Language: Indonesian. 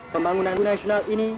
pembangunan monasional ini